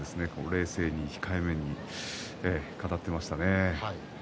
冷静に控えめに語っていましたね。